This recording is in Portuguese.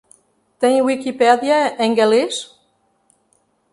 Tem Wikipedia em galês?